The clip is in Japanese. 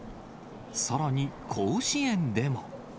さらに甲子園でも。